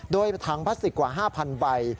โดยถังพลาสติกกว่า๕๐๐ใบ